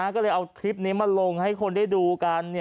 ก็เลยเอาคลิปนี้มาลงให้คนได้ดูกัน